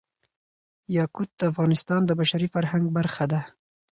یاقوت د افغانستان د بشري فرهنګ برخه ده.